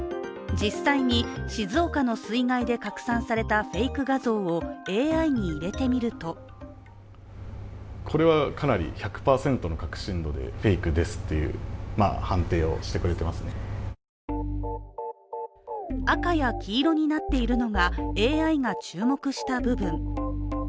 実際に静岡の水害で拡散されたフェイク画像をＡＩに入れてみると赤や黄色になっているのが、ＡＩが注目した部分。